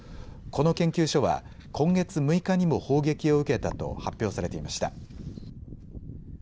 この研究所は今月６日にも砲撃を受けたと発表されていました。